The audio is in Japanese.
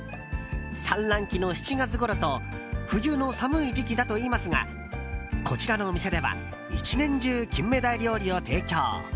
産卵期の７月ごろと冬の寒い時期だといいますがこちらのお店では１年中金目鯛料理を提供。